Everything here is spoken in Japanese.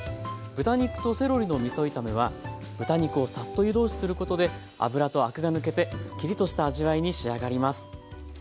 豚肉とセロリのみそ炒めは豚肉をサッと湯通しすることで脂とアクが抜けてスッキリとした味わいに仕上がります。